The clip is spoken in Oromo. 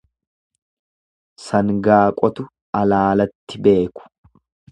Sangaa qotu alaalatti beeku.